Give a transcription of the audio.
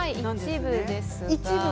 一部です。